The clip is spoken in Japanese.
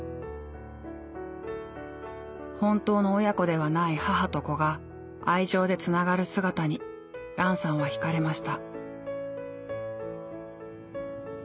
本当の親子ではない母と子が愛情でつながる姿にランさんは惹かれました。